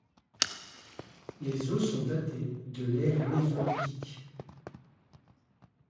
Les os sont datés de l’ère mésolithique.